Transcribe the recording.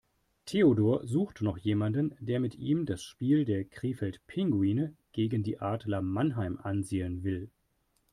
Theodor sucht noch jemanden, der mit ihm das Spiel der Krefeld Pinguine gegen die Adler Mannheim ansehen will.